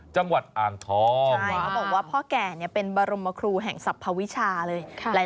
จังหวัดอ่างทองใช่เขาบอกว่าพ่อแก่เป็นบรมครูแห่งสรรพวิชาเลย